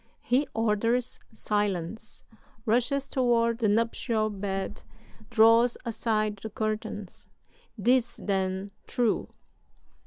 He orders silence, rushes toward the nuptial bed, draws aside the curtains. 'Tis, then, true!